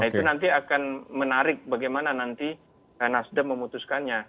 jadi saya akan menarik bagaimana nanti nasdem memutuskannya